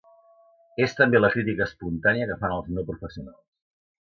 És també la crítica espontània que fan els no professionals.